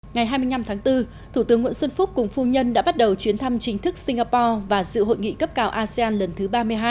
ngày hai mươi năm tháng bốn thủ tướng nguyễn xuân phúc cùng phu nhân đã bắt đầu chuyến thăm chính thức singapore và sự hội nghị cấp cao asean lần thứ ba mươi hai